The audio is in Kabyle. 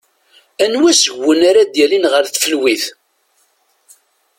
Anwa seg-wen ara d-yalin ɣer tfelwit?